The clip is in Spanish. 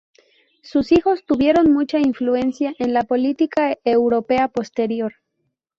Sus hijos tuvieron mucha influencia en la política europea posterior.